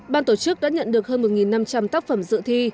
ban tổ chức đã nhận được hơn một năm trăm linh tác phẩm dự thi